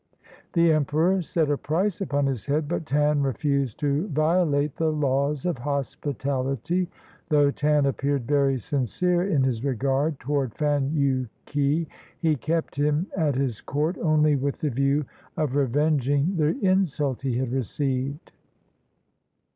The emperor set a price upon his head, but Tan refused to violate the laws of hospitality. Though Tan appeared very sincere in his regard toward Fan yu ke, he kept him at his court only with the view of revenging the insult he had received.